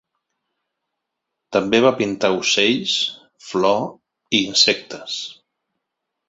També va pintar ocells, flor i insectes.